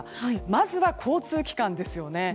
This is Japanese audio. まずは交通機関ですよね。